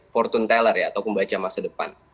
fortune teller ya atau pembaca masa depan